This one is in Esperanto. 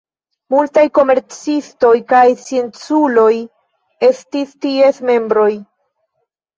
Multaj komercistoj kaj scienculoj estis ties membroj.